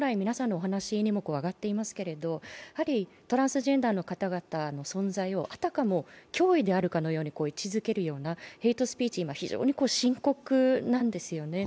というのも、トランスジェンダーの方々の存在を、あたかも脅威であるかのように位置づけるようなヘイトスピーチが非常に深刻なんですよね。